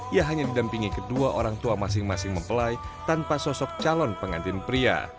ia hanya didampingi kedua orang tua masing masing mempelai tanpa sosok calon pengantin pria